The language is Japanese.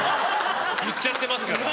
言っちゃってますから。